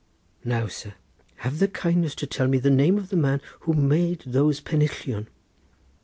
Now, sir, have the kindness to tell me the name of the man who made those pennillion."